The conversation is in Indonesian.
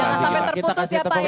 jangan sampai terputus ya pak ya